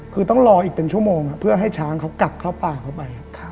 คือต้องรออีกเป็นชั่วโมงเพื่อให้ช้างเขากลับเข้าป่าเข้าไป